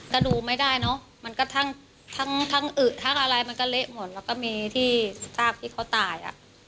ก็ดูไม่ได้เนอะมันก็ทั้งอึทั้งอะไรมันก็เละหมดแล้วก็มีที่ซากที่เขาตาย